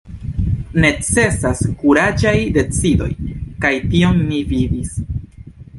Necesas kuraĝaj decidoj, kaj tion ni vidis.